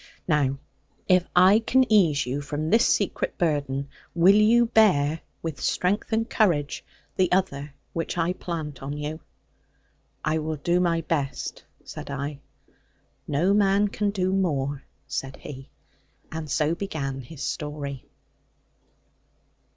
Now, if I can ease you from this secret burden, will you bear, with strength and courage, the other which I plant on you?' 'I will do my best,' said I. 'No man can do more,' said he and so began his story.